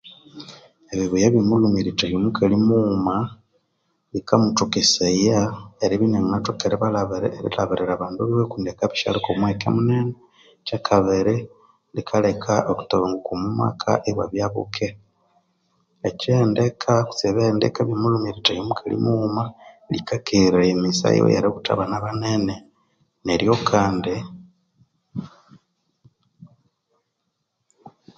Ebibuya ebyomulhume eritahya omukali mughuma likamutokesaya eribya iniangitoka erilabirira abandu biwe obutabanguko omwamaka bukakeha Ebihendeka ebyo omulhume eritahya mukali mughuma likakeheraya emighisa yiwe eributha abana banene